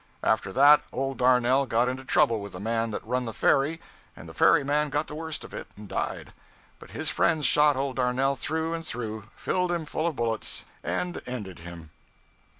After that, old Darnell got into trouble with the man that run the ferry, and the ferry man got the worst of it and died. But his friends shot old Darnell through and through filled him full of bullets, and ended him.'